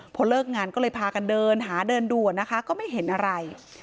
พอเลิกงานก็เลยพากันเดินหาเดินดูนะคะก็ไม่เห็นอะไร